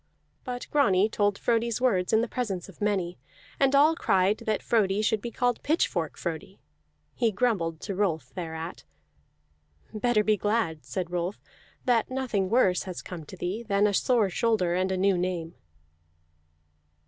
But Grani told Frodi's words in the presence of many, and all cried that Frodi should be called Pitchfork Frodi. He grumbled to Rolf thereat. "Better be glad," said Rolf, "that nothing worse has come to thee than a sore shoulder and a new name."